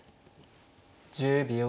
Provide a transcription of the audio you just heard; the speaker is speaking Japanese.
１０秒。